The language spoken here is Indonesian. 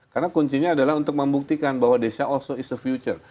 karena kuncinya adalah untuk membuktikan bahwa desa also is a future